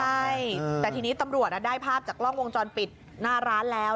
นี่แหละค่ะใช่แต่ทีนี้ตำรวจนะได้ภาพจากล่องวงจรปิดหน้าร้านแล้ว